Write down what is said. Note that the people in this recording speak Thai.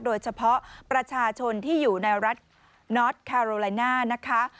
โดยเฉพาะประชาชนที่อยู่ในรัฐน็อตคาโรไลน่านะคะ